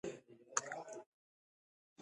موږ باید د پښتو لیک دود ته درناوی وکړو.